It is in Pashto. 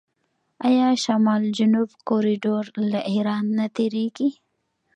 آیا شمال جنوب کوریډور له ایران نه تیریږي؟